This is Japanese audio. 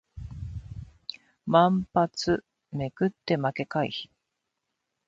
万発捲って負け回避